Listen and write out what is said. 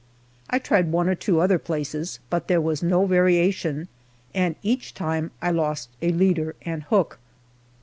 I tried one or two other places, but there was no variation and each time I lost a leader and hook.